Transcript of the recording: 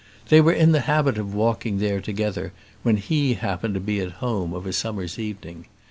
They were in the habit of walking there together when he happened to be at home of a summer's evening.